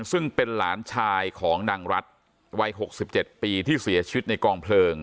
ซึ่งเป็นหลานชายของนางรัฐวัย๖๗ปีที่เสียชีวิตในกองเพลิง